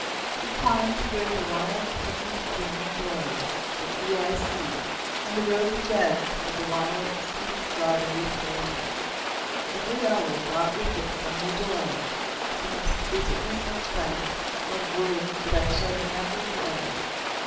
We climbed to where the wild peonies bloom in glory that few eyes see, and the rosy beds of wild sweet strawberries ripen. Every hour brought with it some new delight, some exquisiteness of sight or of words that I shall remember for ever.